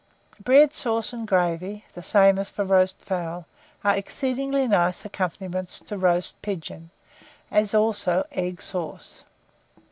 Bread sauce and gravy, the same as for roast fowl, are exceedingly nice accompaniments to roast pigeons, as also egg sauce.